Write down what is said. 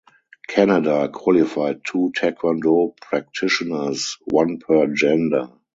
Canada qualified two taekwondo practitioners (one per gender).